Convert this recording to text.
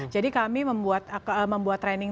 jadi kami membuat training training untuk pengenalan produk